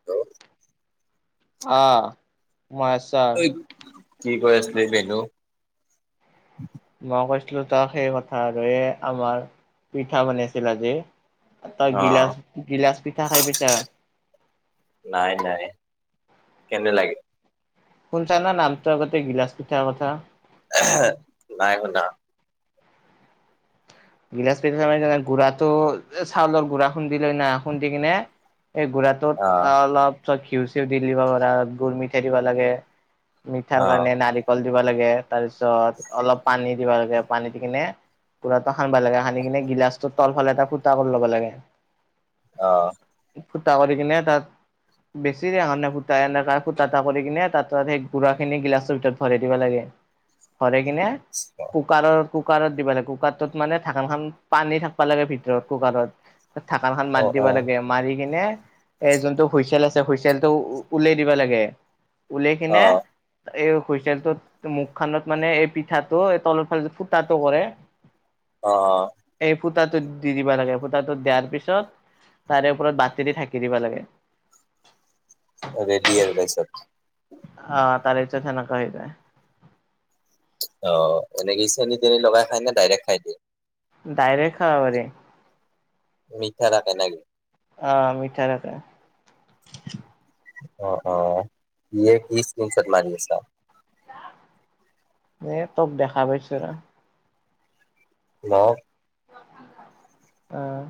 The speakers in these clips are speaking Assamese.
[inaudible] অ, মছ কি কৈ আছিলি বেনু? মই কৈছিলোঁ তাক সেই কথা আৰু এ আমাৰ পিঠা বনাইছিল আজি। তই অ গিলাচ-গিলাচ পিঠা খাই পাইছা? নাই-নাই, কেনে লাগে? শুনছা নে নামটো আগতে গিলাচ পিঠাৰ কথা? নাই শুনা। গিলাচ পিঠা গুড়াটো এ চাউলৰ গুড়া খুন্দি লৈ না, খুন্দি কিনে এই গুৰা ত অ অলপ চব ঘিউ চিউ দি দিব পাৰা গুৰ মিঠাই দিব লাগে। মিঠাৰ অ কাৰণে নাৰিকল দিবা লাগে তাৰ পিছত অলপ পানী দিবা লাগে, পানী দি কিনে হানবা লাগে সানি কিনে গিলাচটো তলফালে এটা ফুটা কৰি ল'ব লাগে। অ'। ফুটা কৰি কিনে তাত বেছিৰণে ফুটা এনেক ফুটা এটা কৰি কিনে তাত সেই গুড়া খিনি গিলাচৰ ভিতৰত ভৰাই দিব লাগে। ভৰাই কিনে [unintelligible] কুকাৰত-কুকাৰত দিবা লাগে কুকাৰটোত মানে ঢাকনখন পানী থাকিব লাগে ভিতৰত কুকাৰত। ঢাকানখন অ অ মাত দিব লাগে, মাৰি কিনে এই যোনটো হুইচেল আছে হুইচেলটো উলিয়াই দিব লাগে, উলাই অ কিনে এই হুইচেলটোত মুখ খানত মানে এই পিঠাটো এই তলৰ ফালে ফুটাটো কৰে অ', অ'। এই ফুটাটোত দি দিবা লাগে ফুটাটোত দিয়াৰ পিছত তাৰে ওপৰত বতি দি ঢাকি দিবা লাগে। ৰেডী আৰু তাৰপিছত? অ তাৰেপিছত সেনেকা হৈ যায়। অ এনেকি চেনি তেনি লগাই খাই নে ডাইৰেক্ট খাই দিয়ে। ডাইৰে খাব পাৰি। মিঠা থাকে নকি? অ', মিঠা থাকে। অ', অ', কিহে কি স্ক্ৰীণশ্বট মাৰি আছা? এ তোক দেখা পাইছো ৰ নক। আহ।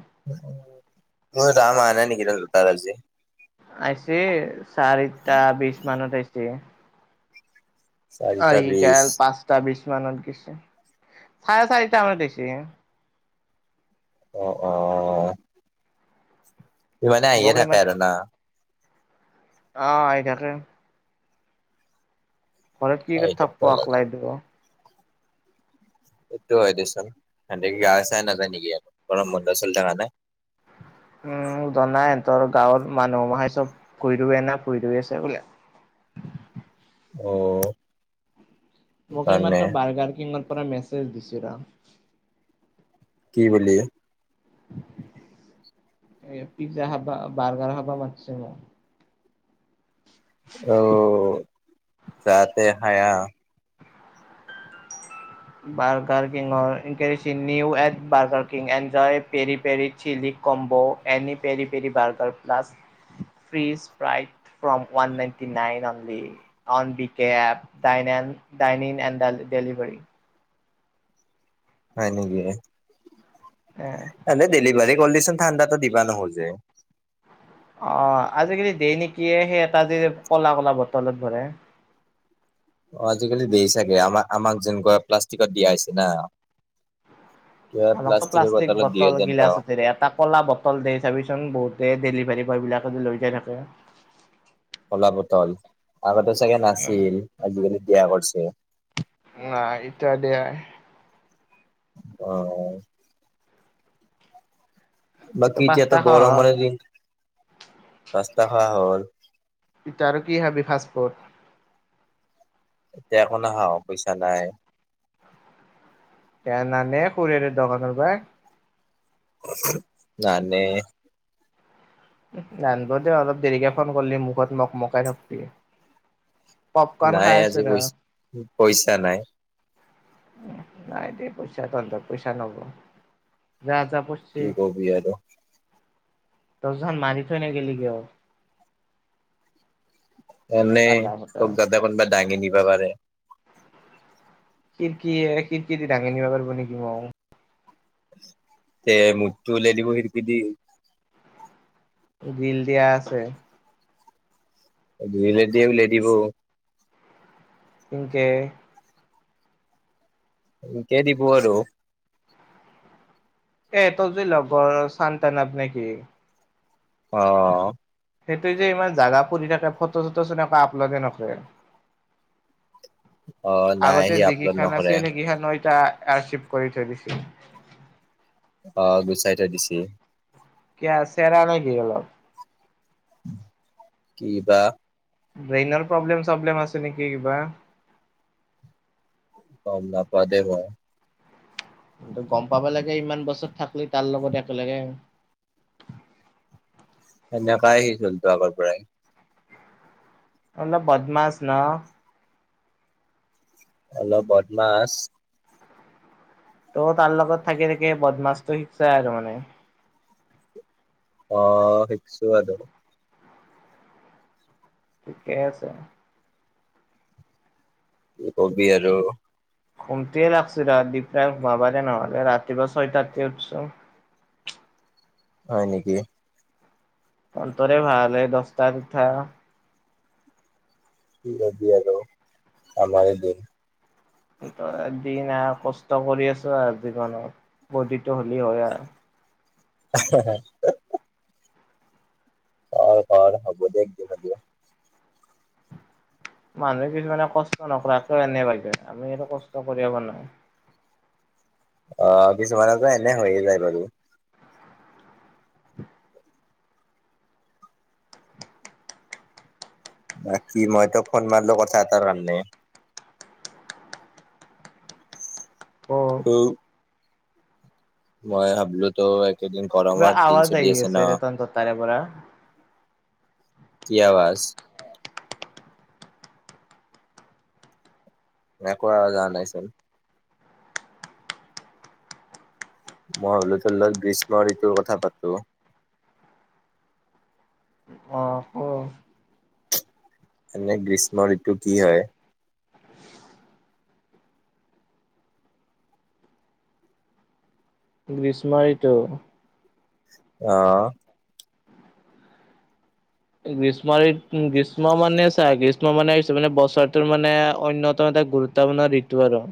মোৰ ৰাম অহা নাই নেকি লোটাল আজি আহিছে চাৰিটা বিশ মানত আহিছে। চাৰিটা আহি বিশ দাল পাঁচটা বিছ মানত গেছে। চাৰে চাৰিটা মানত আহিছে এ অ অ। ভিমানে আহিয়ে মোক থাকে ইমান আৰু না। অ আহি থাকে। ঘৰত কি চাই কৰি থাকিব থাপপক লাগে ওলাই দিব। সেটো হয় দেচোন সেতে কি গাই চাই নাযায় নেকি গৰম বন্ধ চলি থকা নাই। উম জানাই তৰ গাঁৱৰ মানুহ মহাই চব কুৰি ৰুৱে না ফুৰি ধুই আছে বোলে। অ। মোক সেইকাৰণে এইমাত্ৰ বাৰ্গাকিঙৰ পৰা মেছেজ দিছে ৰ। কি বুলি? এ পিজ্জা খাবা বাৰ্গাৰ হাবা মাতছে মোক। অ। যাতে হায়া। বাৰ্গাৰ কিং অৰ কেৰিচিন্নিউ at burger king enjoy peri peri chilli. Combo any peri peri burger plus. Free স্প্ৰাই from one ninety nine only. On বি কেপ ডাইনেম ডাইনিন এণ্ড দা ডেলিভাৰী। হয় নেকি? এ। এ ডেলিভাৰী কলদিচান ঠাণ্ডাটো দিবা নহ'ল। অ আজিকালি দেৰি নেকি সেই এটা যে ক'লা কলা বটলত ভৰে। অ আজিকালি দিয়ে চাগে আমাক আমাক যেনেকৈ প্লাষ্টিকত দিয়া হৈছে না। কিবা আমাকতো প্লাষ্টিকৰ প্লাষ্টিক বটলত দিয়ে বটল যেন গিলাচ পাওঁ এতেৰে এটাক ক'লা বটল দে চাবিচোন বহুতে ডেলিভাৰী বয় বিলাকে লৈ যাই থাকে। কলা বটল আগতে চাগে নাছিল আজিকালি দিয়া কৰিছে। নাই ইত্যাদি আই [unintelligible] ত' বাকী যে পাঁচটা এটা সহজ গৰমৰ দিন ৰাস্তা খৱা হ'ল। ইতাৰ আৰু কি হাবি ফাষ্টফুড। এতিয়া একো নাখাওঁ পইচা নাই। কেনানে খুৰেৰে দোকানৰ পায়। নানে। নানাব দ অলপ দেৰিকে ফোন কৰিলি মুখত মখ মকাই থাকবি। পপকন নাই খাই আছো আজি ৰ। পইচা পইচা নাই। উ নাই দে পইচা তন্তত পইচা নব যা যা পইচ- কি কবি আৰু। তজন খন মাৰি থৈ ন গেলি কিয়? এনে কালা ফটা তোক গাদা কোনবা দাঙি নিবা পাৰে। খিৰিকীয়ে, খিৰিকীদি দাঙি নিবা পাৰব নেকি মোক। তে মঠটো ওলাই দিব খিৰকী দি। গিল দিয়া আছে। দুইলাঠ দিয়ে উলিয়াই দিব। ইংকে। কেই দিব আৰু। এ! তৰজে লগৰ চান্তানাপ নেকি? অ'হ। সেইটোৱেই যি ইমান জাগা ফুৰি থাকে ফটো- চটো চোন একো আপলোডে নকৰে। অ নাই আগতে সি আপলোড যিকিখান আছিল নকৰে সেইকেইখন এতিয়া অৰচিফ কৰি থৈ দিছে। অ', গুচাই থৈ দিছি। কীয়া চেৰা নেকি অলপ? কি বা? ব্ৰেইনৰ প্ৰব্লেম- চব্লেম আছে নেকি কিবা। গম নাপাও দেই মই। কিন্তু গম পাব লাগে, ইমান বছৰ থাকলি তাৰ লগত একেলগে। সেনেকাই সি সেই চলিতো আগৰ পৰাই। অলপ বদমাছ ন। অলপ বদমাছ। তয়ো তাৰ লগত থাকি, থাকি বদমাছটো শিকছা আৰু মানে। অ', শিকছো আৰু। থিকে আছে। কি কবি আৰু। ঘুমটিয়ে লাগছি ৰ, ডিপৰা ঘুমাবাৰেয়ে নহলে, ৰাতিপুৱা ছয়টাতে উঠছো। হয় নেকি? তন্তৰে ভাল এই দচতাত উঠা। কি কবি আৰু আমাৰে দিন। এদিন আৰু কষ্ট কৰি আছো আৰু জীৱনত বডিতটো হ'লে হয় আৰু। হা, হা। ক'ৰ, ক'ৰ, হ'ব দে একদিন হলি অ'। মানুহে কিছুমানে কষ্ট নকৰাকে এনে পাই যায়, আমি আৰু কষ্ট কৰিব অ' পোৱা নাই। অ', কিছুমানে তো এনে হৈয়ে যায় বাৰু। বাকী মই তোক ফোন মাৰলো কথা এটাৰ কাৰণে। ক? [unintelligible] মই ভাবলো তো এইকেইদিন কিবা গৰমৰ দিন আৱাজ চলি আহি আছে ন। ৰে তহঁতৰ তাৰে পৰা। কি আৱাজ? নাই কোৱা জানাই চোন। মই হলো তোৰ লগত গ্ৰীষ্ম ঋতুৰ কথা পাতো। অ', ক? এনে গ্ৰীষ্ম ঋতু কি হয়? গ্ৰীষ্ম ঋতু। অ'। গ্ৰীষ্ম ঋতু, গ্ৰীষ্ম মানে চা গ্ৰীষ্ম মানে হৈছে মানে বছৰটোৰ মানে অন্যতম এটা গুৰুত্ব উদ্দাপনা ঋতু আৰু।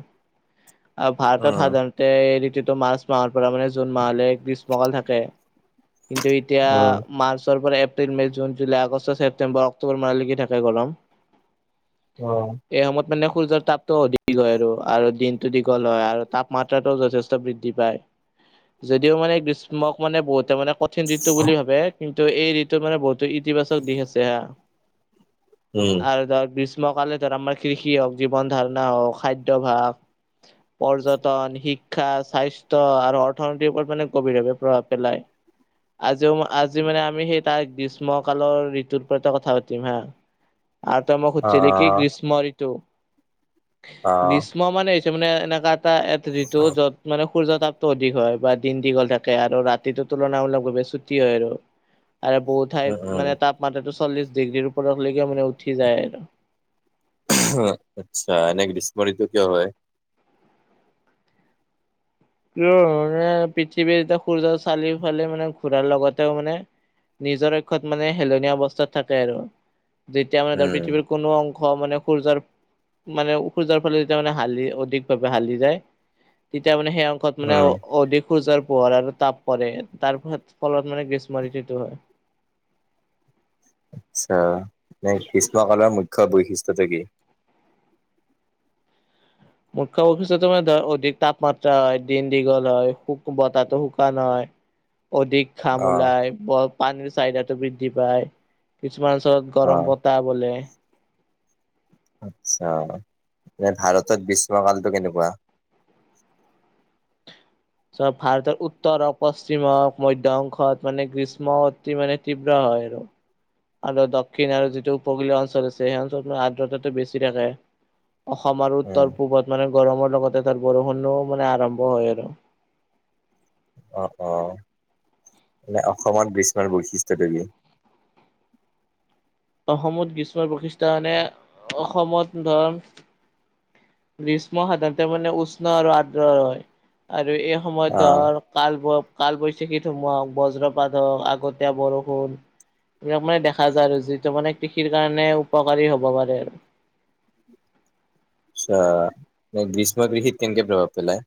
ভাৰতত উম সাধাৰণতে এই ঋতুটো মাৰ্চ মাহৰ পৰা মানে জুন মাহলৈ গ্ৰীষ্মকাল থাকে। কিন্তু এতিয়া উম মাৰ্চৰ পৰে। April May July August September October মাহলৈকে থাকে গৰম। অ', এই সময়ত মানে সূৰ্যৰ তাপটো অধিক হয় আৰু আৰু দিন। দীঘল হয় আৰু তাপমাত্ৰা টো যথেষ্ট বৃদ্ধি পায়। যদিও মানে গ্ৰীষ্মক মানে বহুতে মানে কঠিন ঋতু বুলি ভাবে কিন্তু এই ঋতু মানে বহুতো ইতিবাচক দিশ আছে হা। উম আৰু ধৰ গ্ৰীষ্মকালে ধৰ আমাৰ কৃষি হওঁক, জীৱন ধাৰণা হওঁক, খাদ্যভাস। পৰ্যটন, শিক্ষা, স্বাস্থ্য আৰু অৰ্থনীতিৰ ওপৰত মানে গভীৰভাৱে প্ৰভাৱ পেলায়। আজিও আজি মানে আমি সেই তাৰ গ্ৰীষ্ম কালৰ ঋতুৰওপৰতে কথা পাতিম হা। [inaudible] আৰু ত‌ই মোক সুধিছ কি অ গ্ৰীষ্ম ঋতু। অ গ্ৰীষ্ম মানে হৈছে মানে এনেকা এটা এটা ঋতু য'ত মানে সূৰ্য তাপটো অধিক হয় বা দিন দীঘল থাকে আৰু ৰাতিটো তুলনামূলকভাৱে ছুটি হয় আৰু। আৰু বহু উম ঠাইত উম মানে তাপমাত্ৰাতটো চল্লিশ ডিগ্ৰীৰ ওপৰলৈকে মানে উঠি যায় আৰু। আচ্ছা এনেক গ্ৰীষ্ম ঋতু কিয় হয়। কিয় মানে পৃথিৱীৰ এতিয়া সূৰ্যৰ চালি ফালি মানে ঘূৰাৰ লগতেও মানে নিজৰ অক্ষত মানে হেলনীয়া অৱস্থাত থাকে আৰু যেতিয়া মানে উম পৃথিৱীৰ কোনো অংশ মানে সূৰ্যৰ মানে খু যোৱাৰ ফালে যেতিয়া মানে হালি অধিক ভাৱে হালি যায় তেতিয়া মানে সেইয়া মুখত মানে উম অধিক সুজৰ পোহৰ আৰু তাপ পৰে তাৰ ফলত মানে গ্ৰীষ্ম ঋতুটো হয়। আচ্ছা নে গ্ৰীষ্ম কালৰ মুখ্য বৈশিষ্ট্যটো কি? মুখ্য বৈশিষ্টতো মে ধৰ অধিক তাপমাত্ৰা হয় দিন দীঘল হয় বতাহো শুকান হয়। অধিক ঘাম অ ওলাই পানীৰ চাহিদাটো বৃদ্ধি পায় কিছুমান ওচৰত অ গৰম বত তা বোলে। আচ্ছা মানে ভাৰতত গ্ৰীষ্মকালতটো কেনেকুৱা? চ ভাৰতৰ উত্তৰ হওক পশ্চিম হওক মধ্য অংশত মানে গ্ৰীষ্ম অতি মানে তীব্ৰ হয় আৰু। আৰু দক্ষিণ আৰু যিটো উপকূলীয় অঞ্চল আছে সেই অঞ্চলত আৰ্দ্ৰতাটো বেছি থাকে। অসম আৰু উম উত্তৰ পূৱত মানে গৰমৰ লগতে তাত বৰষুণো মানে আৰম্ভ হয় আৰু। অ', অ', এনে অসমত গ্ৰীষ্মৰ বৈশিষ্টটো কি? অসমত গ্ৰীষ্ম প্ৰশিষ্ঠানে অসমত ধৰ গ্ৰীষ্ম সাধাৰণতে মানে উষ্ণ আৰু আদ্ৰ হয় আৰু এই সময়ত অ ধৰ কালব কালবৈশাখী সোমাওক বজ্ৰপাত হওক আগতীয়া বৰষুণ। এইবিলাক মানে দেখা যায় আৰু যিটো মানে কৃষিৰ কাৰণে উপকাৰী হ'ব পাৰে আৰু। আচ্ছা গ্ৰীষ্ম গৃহত কেনেকেই প্ৰভাৱ পেলায়।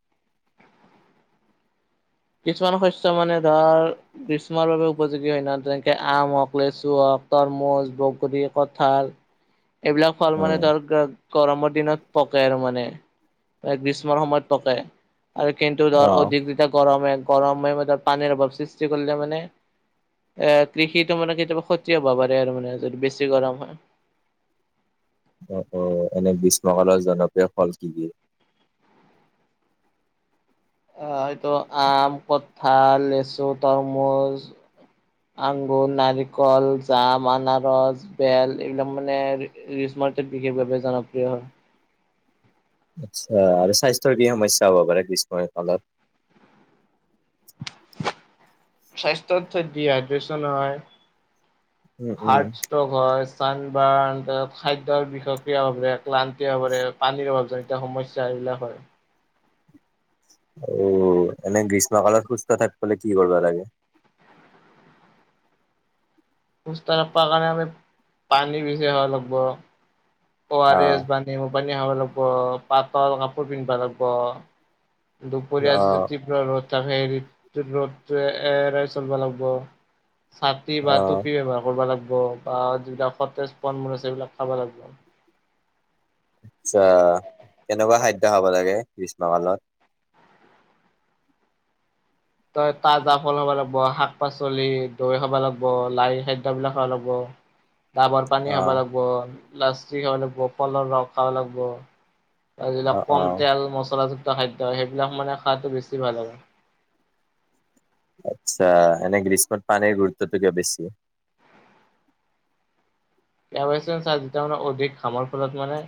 কিছুমান শস্য মানে ধৰ গ্ৰীষ্মৰ বাবে উপযোগী হয় ন তেনেকে আম হওক লেচু হওক তৰমুজ বগৰী কঠাল। [inaudible] এইবিলাক ফল মানে উম ধৰক গৰমৰ দিনত পকাই আৰু মানে এক গ্ৰীষ্ম সময়ত পকে। আৰু কিন্তু অ ধৰ অধিক যেতিয়া গৰমে - গৰমে ম ধৰ পানীৰ অভাৱ সৃষ্টি কৰিলে মানে এ কৃষিতো মানে কেতিয়াবা ক্ষতি হ'ব পাৰে আৰু মানে যদি বেছি গৰম হয়। অ', অ', এনে গ্ৰীষ্মকালৰ জনপ্ৰিয় ফল কি - কি? অ, এইটো আম, কঠাল, লেচু, তৰমুচ [inaudible] আগুৰ, নাৰিকল, জাম, আনাৰস, বেল এইবিলাক মানে গিস্মৰ্তেত বিশেষভাৱে জনপ্ৰিয় হয়। আচ্ছা আৰু স্বাস্থ্যৰ কি সমস্যা হ'ব পাৰে গ্ৰীষ্মই কালত। স্বাস্থ্য [unintelligible] দিয় দচ নহ। উম উম হাৰ্ডছ ট ঘয় চানবাৰ্ণ তাছ খাদ্যৰ বিষয়ক্ৰিয়ভাৱ ক্লান্তিআৱৰে। পানীৰ অভাৱ যে এতিয়া সমস্যা এইবিলাক হয়। অ এনেই গ্ৰীষ্ম কালত সুস্থ থাকবলে কি কৰিব লাগে। সুস্থ থাকবা কাৰণে আমি পানী বেছি খাব লাগব। অ আৰ এছ বানী মোৰ পানী খাব লাগব পাটল কাপোৰ পিন্ধবা লাগব। দুপৰীয়া অ যদি তীব্ৰ ৰ'দ থাক সেই ৰ'দ এ এৰাই চলব লাগব। চাতি বা অ টুপি ব্যৱহাৰ কৰব লাগব বা যিবিলাক সতেজ ফল মূল আছে সেইবিলাক খাব লাগব। আচ্ছা, কেনেকুৱা খাদ্য খাব লাগে গ্ৰীষ্মকালত? তই তাজা ফল হব লাগব শাক পাচলি দৈ খাব লাগব লাই খাদ্যবলাক খাব লাগব। [unintelligible] ডাবৰ পানী অ খাব লাগব লাচী খাব লাগব ফলৰ ৰস খাব লাগব। আৰু অ যবিলাক অ কম তেল মচলাযুক্ত খাদ্য সেইবিলাক মানে খাৱাটো বেছি ভাল হব। আচ্ছা এনে গ্ৰীষ্মত পানীৰ গুৰুত্বটো কিয় বেছি? বেয়া পছে চ যেতিয়া মানে অধিক ঘামৰ ফলত মানে-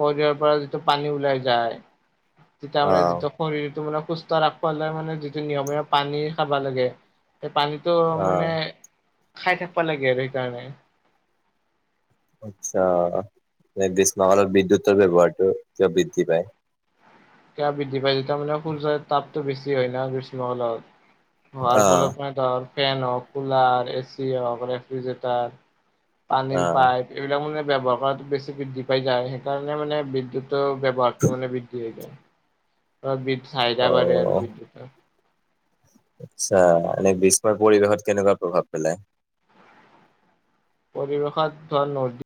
শৰিৰ পৰা যিটো পানী ওলাই যায় তেতিয়া অ মানে যিটো শৰীৰতটো মানে সুস্থ ৰাখবলে মানে যিটো নিয়মীয়া পানী খাব লাগে সেই পানীত- তো অ মানে খাই থাকবা লাগে আৰু সেইকাৰণে- আচ্ছা এ গ্ৰীষ্ম কালত বিদ্যুতৰ ব্যৱহাৰটো কিয় বৃদ্ধি পায়। কা বৃদ্ধি পাই যেতিয়া মানে সূৰ্য তাপতো বেছি হয় না গ্ৰীষ্ম কালত হোৱাৰ অ', ফলত মানে- ৰ ফেন হওক কুলাৰ এ চি হওক ৰেফ্ৰিজৰেটাৰ পানীৰ অ', পাইপ- এইবিলাক মানে ব্যৱহাৰ কৰাটো বেছি বৃদ্ধি পাই যায় সেইকাৰণে মানে বিদ্যুৎ- ট ব্যৱহাৰটো মানে বৃদ্ধি হৈ যায় ত বি চাহিদা বাঢ়ে আৰু অ', বিদ্যুৎৰ। আচ্ছা এনে গিষ্মৰ পৰিৱেশত কেনেকুৱা প্ৰভাৱ পেলাই। পৰিৱেশত ধন নদ-